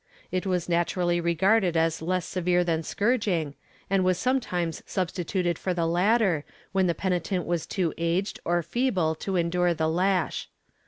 It was naturally regarded as less severe than scourging and was some times substituted for the latter, when the penitent was too aged or feeble to endure the lash.